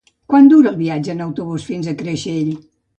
Quant dura el viatge en autobús fins a Creixell?